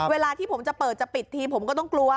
เวลาที่ผมจะเปิดจะปิดทีผมก็ต้องกลัว